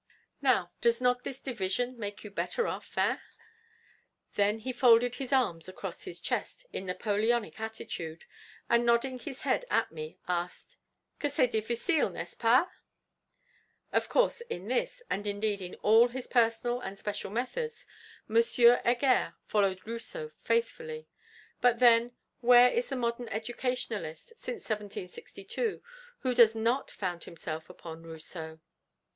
Now does not this division make you better off, hein? Then he folded his arms across his chest in a Napoleonic attitude, and nodding his head at me, asked, 'Que c'est difficile, n'est ce pas?' Of course in this, and indeed in all his personal and special methods, M. Heger followed Rousseau faithfully. But, then, where is the modern educationalist since 1762 who does not found himself upon Rousseau?